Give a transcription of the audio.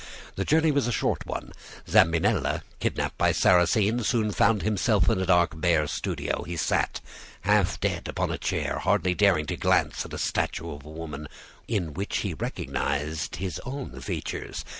The journey was a short one. Zambinella, kidnaped by Sarrasine, soon found himself in a dark, bare studio. He sat, half dead, upon a chair, hardly daring to glance at a statue of a woman, in which he recognized his own features.